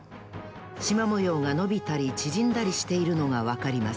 しまもようがのびたりちぢんだりしているのがわかります